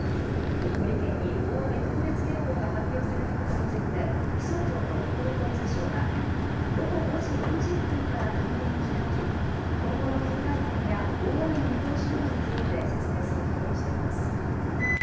鳥取県に大雨特別警報が発表されたことについて、気象庁と国土交通省は、午後５時４０分から会見を開き、今後の警戒点や大雨の見通しなどについて、説明することにしています。